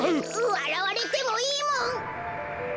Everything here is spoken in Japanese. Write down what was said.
わらわれてもいいもん！